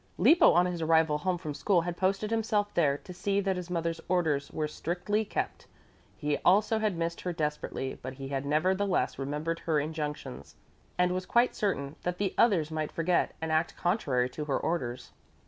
Lippo on his arrival home from school had posted himself there to see that his mother's orders were strictly kept. He also had missed her desperately, but he had nevertheless remembered her injunctions and was quite certain that the others might forget and act contrary to her orders.